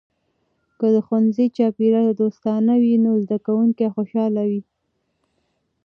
که د ښوونځي چاپیریال دوستانه وي، نو زده کونکي خوشحاله وي.